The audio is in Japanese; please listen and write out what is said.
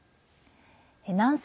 南西